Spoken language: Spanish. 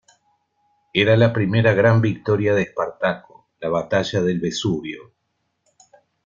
Era la primera gran victoria de Espartaco, la batalla del Vesubio.